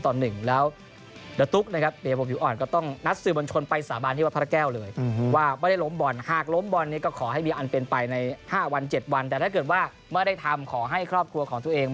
แต่ถ้าถ้าไม่ได้ทำขอให้ครอบครัวของตัวเอง